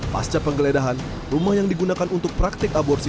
pasca penggeledahan rumah yang digunakan untuk praktik aborsi